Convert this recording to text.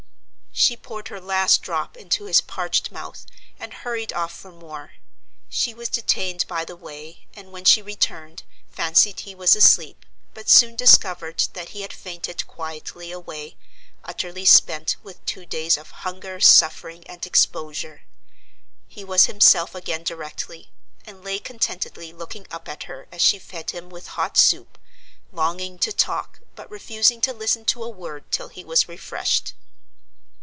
She poured her last drop into his parched mouth and hurried off for more. She was detained by the way, and, when she returned, fancied he was asleep, but soon discovered that he had fainted quietly away, utterly spent with two days of hunger, suffering, and exposure. He was himself again directly, and lay contentedly looking up at her as she fed him with hot soup, longing to talk, but refusing to listen to a word till he was refreshed.